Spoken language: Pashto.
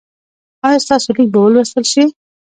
ایا ستاسو لیک به ولوستل شي؟